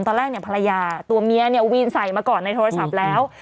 ตอนแรกเนี่ยภรรยาตัวเมียเนี่ยวีนใส่มาก่อนในโทรศัพท์แล้ว